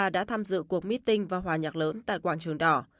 đã tham dự cuộc meeting và hòa nhạc lớn tại quảng trường đỏ